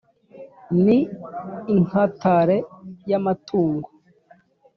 ni inkatare ya matungo,